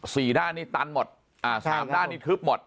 สี่ด้านนี้ตันหมดอ่าสามด้านนี้ทึบหมด